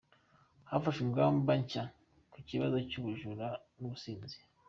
Hafashwe ingamba nshya ku kibazo cy’ubujura n’ubusinzi